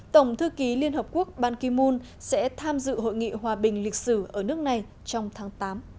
tổng thư ký liên hợp quốc ban ki moon sẽ tham dự hội nghị hòa bình lịch sử ở nước này trong tháng tám